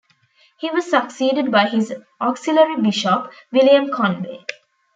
He was succeeded by his auxiliary bishop, William Conway.